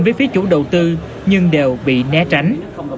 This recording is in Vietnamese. với phía chủ đầu tư nhưng đều bị né tránh